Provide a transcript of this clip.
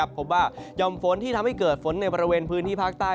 หย่อมฝนที่ทำให้เกิดฝนในบริเวณพื้นที่ภาคใต้